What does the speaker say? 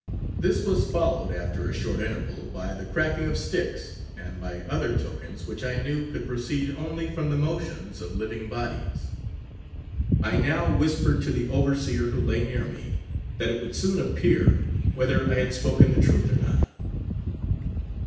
This was followed, after a short interval, by the cracking of sticks, and by other tokens, which I knew could proceed only from the motions of living bodies. I now whispered to the overseer, who lay near me, that it would soon appear whether I had spoken the truth or not.